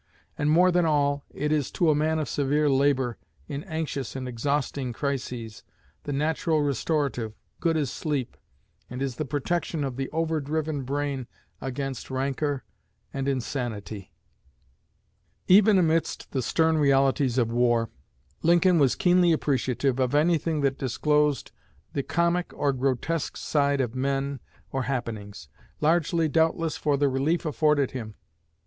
And, more than all, it is to a man of severe labor, in anxious and exhausting crises, the natural restorative, good as sleep, and is the protection of the overdriven brain against rancor and insanity." Even amidst the stern realities of war, Lincoln was keenly appreciative of anything that disclosed the comic or grotesque side of men or happenings, largely, doubtless, for the relief afforded him.